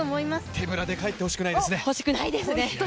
手ぶらで帰ってほしくないですね。